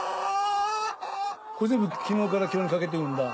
これ全部昨日から今日にかけて産んだ？